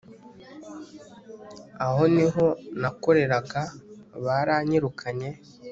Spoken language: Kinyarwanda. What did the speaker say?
Aho niho nakoreraga baranyirukanye